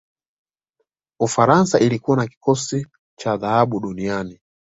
ufaransa ilikuwa na kikosi cha dhahabu duniani